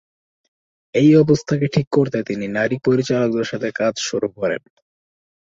এই অবস্থাকে ঠিক করতে তিনি নারী পরিচালকদের সাথে কাজ শুরু করেন।